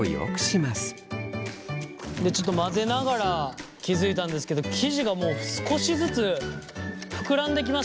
ちょっと混ぜながら気付いたんですけど生地がもう少しずつふくらんできました。